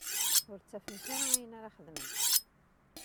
Ur ttafent ara ayen ara xedment.